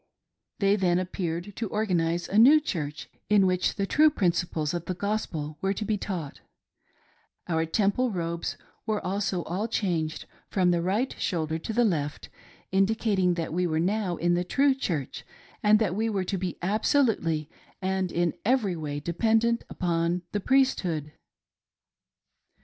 They then appeared to organise a new Church in which the true principles of the Gospel were to be taught J our Temple robes were also all changed from the right shoulder to the left, indicating that we were now in the true Church, and that we were to be absolutely and in every way dependent upon the priesthood.